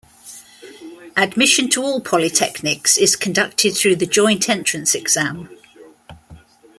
Admission to all Polytechnics is conducted through the Joint Entrance Exam.